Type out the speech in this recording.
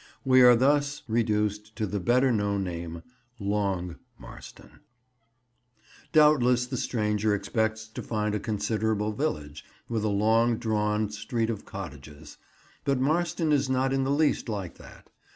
We are thus reduced to the better known name, "Long" Marston. [Picture: "Dancing Marston"] Doubtless the stranger expects to find a considerable village, with a long drawn street of cottages; but Marston is not in the least like that.